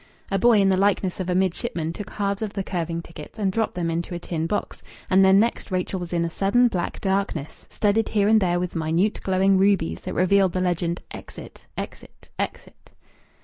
A boy in the likeness of a midshipman took halves of the curving tickets and dropped them into a tin box, and then next Rachel was in a sudden black darkness, studded here and there with minute glowing rubies that revealed the legend: "Exit. Exit. Exit."